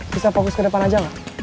bisa fokus ke depan aja lah